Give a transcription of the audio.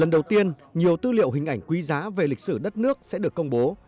đầu tiên nhiều tư liệu hình ảnh quý giá về lịch sử đất nước sẽ được công bố